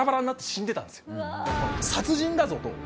殺人だぞと。